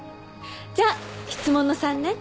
じゃ質問の３ね。